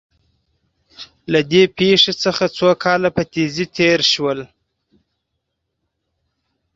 له دې پېښې څخه څو کاله په تېزۍ تېر شول